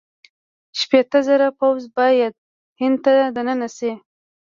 شپېته زره پوځ باید هند ته دننه شي.